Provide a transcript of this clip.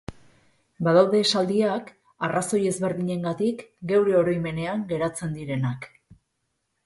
Badaude esaldiak, arrazoi ezberdinengatik, geure oroimenean geratzen direnak.